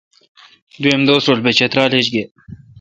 دوئم دوس رل بہ چترال ایچ گے۔